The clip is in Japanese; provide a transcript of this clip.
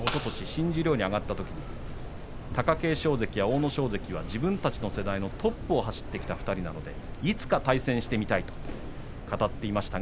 新十両に上がったときに貴景勝関、阿武咲関は自分たちのトップを走ってきた力士なのでいつか対戦してみたいと話していました。